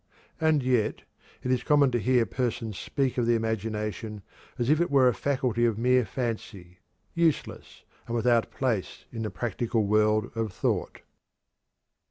And yet it is common to hear persons speak of the imagination as if it were a faculty of mere fancy, useless and without place in the practical world of thought.